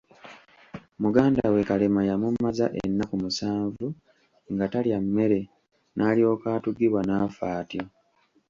Muganda we Kalema yamumaza ennaku musanvu nga talya mmere n'alyoka atugibwa n'afa atyo.